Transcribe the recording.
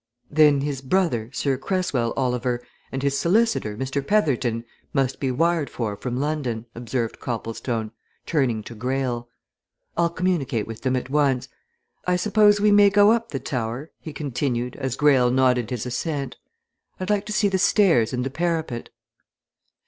"Then his brother, Sir Cresswell Oliver, and his solicitor, Mr. Petherton, must be wired for from London," observed Copplestone, turning to Greyle. "I'll communicate with them at once. I suppose we may go up the tower?" he continued as Greyle nodded his assent. "I'd like to see the stairs and the parapet."